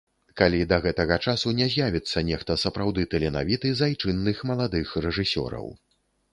Калі да гэтага часу не з'явіцца нехта сапраўды таленавіты з айчынных маладых рэжысёраў.